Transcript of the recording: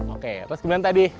oke terus gimana tadi